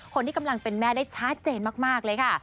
คนที่กำลังเป็นแม่ได้ชัดเจนมากเลยค่ะ